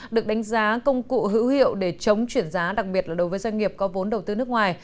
được đánh giá công cụ hữu hiệu để chống chuyển giá đặc biệt là đối với doanh nghiệp có vốn đầu tư nước ngoài